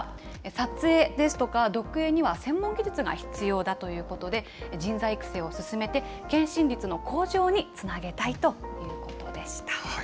撮影ですとか、読影には専門技術が必要だということで、人材育成を進めて、検診率の向上につなげたいということでした。